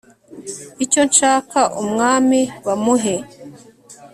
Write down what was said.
icyo nshaka umwami bamuhe